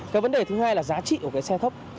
cái vấn đề thứ hai là giá trị của cái xe thấp